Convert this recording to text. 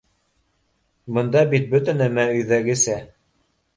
Бында бит бөтә нәмә өйҙәгесә.